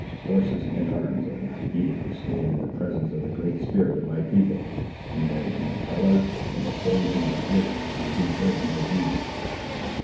Horses and arms are not needed to stand in the presence of the Great Spirit of my people. He knows my colour, and according to my gifts will he judge my deeds."